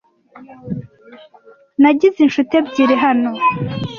Nagize inshuti ebyiri hano.